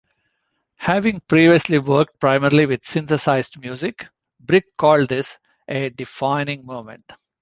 Having previously worked primarily with synthesized music, Brick called this '"a defining moment".